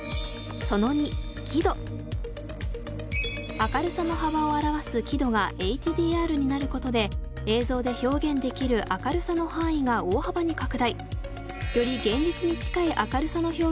明るさの幅を表す輝度がＨＤＲになることで映像で表現できる明るさの範囲が大幅に拡大。